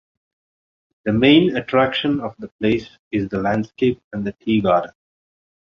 The main attraction of the place is the landscape and the tea garden.